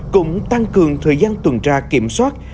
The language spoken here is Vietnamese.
cũng tăng cường thời gian tuần tra kiểm soát